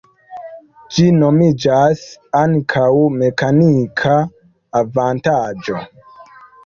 Ĝi nomiĝas ankaŭ mekanika avantaĝo.